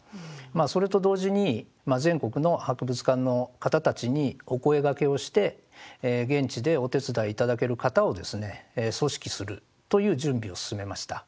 まあそれと同時に全国の博物館の方たちにお声がけをして現地でお手伝い頂ける方をですね組織するという準備を進めました。